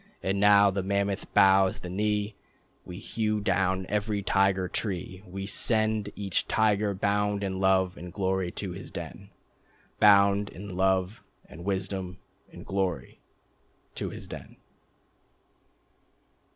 And now the mammoth bows the knee, We hew down every Tiger Tree, We send each tiger bound in love and glory to his den, Bound in love ... and wisdom ... and glory, ... to his den."